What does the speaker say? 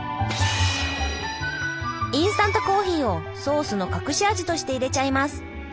インスタントコーヒーをソースの隠し味として入れちゃいます！